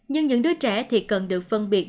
nhưng những đứa trẻ thì cần được phân biệt